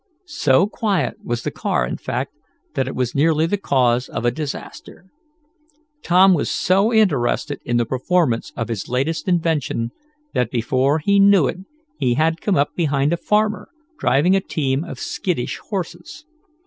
So quiet was the car, in fact, that it was nearly the cause of a disaster. Tom was so interested in the performance of his latest invention, that, before he knew it, he had come up behind a farmer, driving a team of skittish horses.